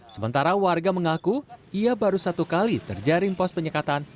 sementara warga mengaku ia baru satu kali terjaring pos penyekatan